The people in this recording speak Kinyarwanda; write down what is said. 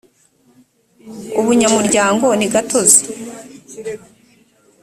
ubunyamuryango ni gatozi